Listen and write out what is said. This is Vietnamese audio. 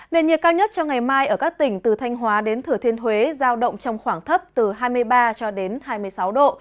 nền nhiệt cao nhất cho ngày mai ở các tỉnh từ thanh hóa đến thửa thiên huế giao động trong khoảng thấp từ hai mươi ba cho đến hai mươi sáu độ